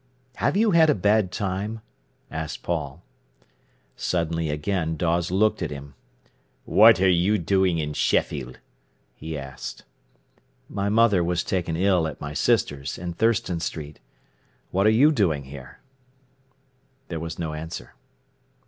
"Have you had a bad time?" asked Paul. Suddenly again Dawes looked at him. "What are you doing in Sheffield?" he asked. "My mother was taken ill at my sister's in Thurston Street. What are you doing here?" There was no answer.